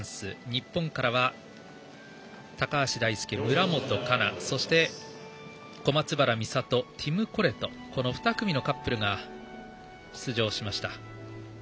日本からは高橋大輔、村元哉中そして小松原美里、ティム・コレトの２組のカップルが出場しました。